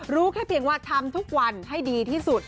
รู้แค่เพียงว่าทำทุกวันให้ดีที่สุด